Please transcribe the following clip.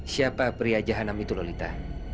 siapa pria jahanam itu lolita